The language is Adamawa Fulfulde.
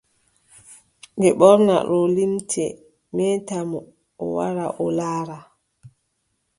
Ɓe ɓorna oo limce, meeta mo, o wara o laara.